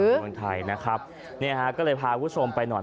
เมืองไทยนะครับเนี่ยฮะก็เลยพาคุณผู้ชมไปหน่อย